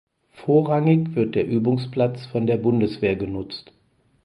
Vorrangig wird der Übungsplatz von der Bundeswehr genutzt.